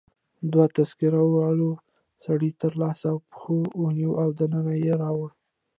دوو تذکره والاو سړی تر لاسو او پښو ونیو او دننه يې راوړ.